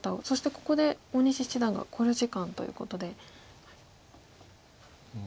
そしてここで大西七段が考慮時間ということで。